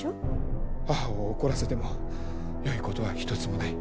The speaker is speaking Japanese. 母を怒らせてもよいことは一つもない。